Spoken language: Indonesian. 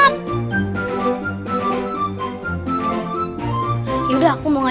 piny dasar ini